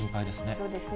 そうですね。